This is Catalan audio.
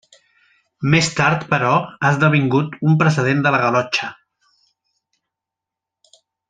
Més tard, però, ha esdevingut un precedent de la Galotxa.